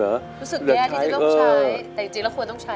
รู้สึกแย่ที่จะต้องใช้แต่จริงแล้วควรต้องใช้